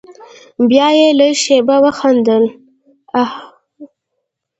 بيا يې لږه شېبه وخندل.